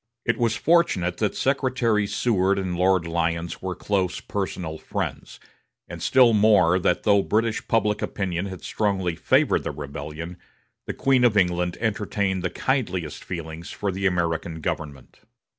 It was fortunate that Secretary Seward and Lord Lyons were close personal friends, and still more that though British public opinion had strongly favored the rebellion, the Queen of England entertained the kindliest feelings for the American government.